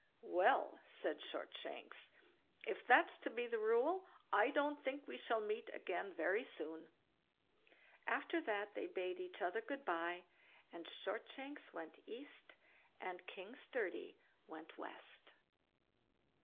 "Well!" said Shortshanks, "if that's to be the rule, I don't think we shall meet again very soon." After that they bade each other good bye, and Shortshanks went east, and King Sturdy west.